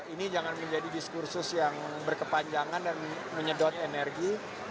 ini jangan menjadi diskursus yang berkepanjangan dan menyedot energi